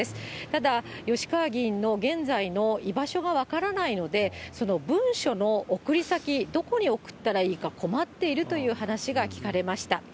ただ、吉川議員の現在の居場所が分からないので、その文書の送り先、どこに送ったらいいか困っているという話が聞かれました。